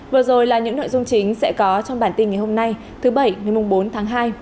vừa rồi là những nội dung chính sẽ có trong bản tin ngày hôm nay thứ bảy ngày bốn tháng hai